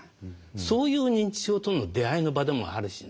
そういう認知症との出会いの場でもあるしね